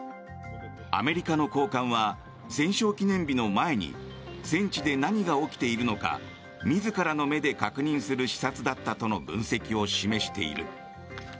アメリカの高官は戦勝記念日の前に戦地で何が起きているのか自らの目で確認するための視察だったとの分析を示している。